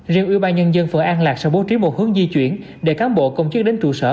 riêng ưu ba nhân dân phường an lạc sẽ bố trí một hướng di chuyển để cám bộ công chức đến trụ sở